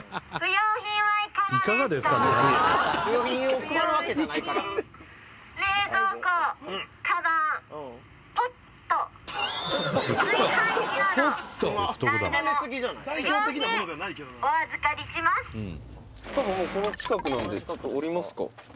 「多分この近くなんでちょっと降りますか」